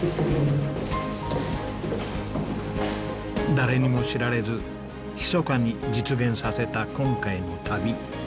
誰にも知られずひそかに実現させた今回の旅。